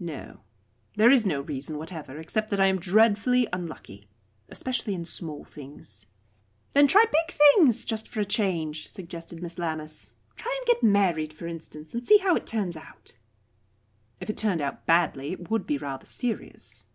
"No. There is no reason whatever, except that I am dreadfully unlucky, especially in small things." "Then try big things, just for a change," suggested Miss Lammas. "Try and get married, for instance, and see how it turns out." "If it turned out badly, it would be rather serious."